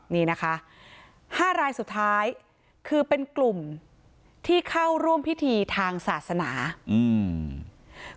นี่นะคะห้ารายสุดท้ายคือเป็นกลุ่มที่เข้าร่วมพิธีทางศาสนาอืม